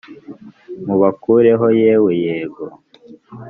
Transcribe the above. mubakureho, yewe yego